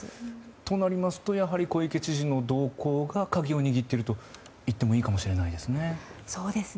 となりますとやはり小池知事の動向が鍵を握っているといってもいいかもしれないですね。